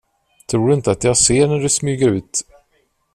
Tror du inte att jag ser när du smyger ut?